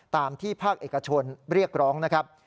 ตามที่ภาคเอกชนเรียกร้องนะครับ